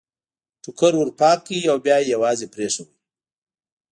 ټوکر ور پاک کړ او بیا یې یوازې پرېښود.